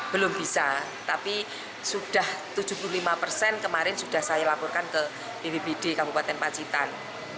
belum bisa tapi sudah tujuh puluh lima persen kemarin sudah saya laporkan ke bpbd kabupaten pacitan